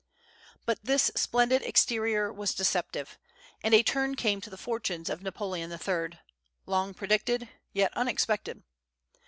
But this splendid exterior was deceptive, and a turn came to the fortunes of Napoleon III., long predicted, yet unexpected.